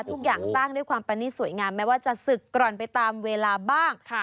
ทุกอย่างสร้างด้วยความประณีตสวยงามแม้ว่าจะศึกกร่อนไปตามเวลาบ้าง